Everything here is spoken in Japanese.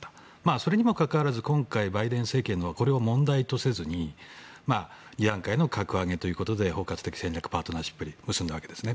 それにもかかわらず今回、バイデン政権はこれを問題とせずに格上げということで包括的戦略パートナーシップを結んだわけですね。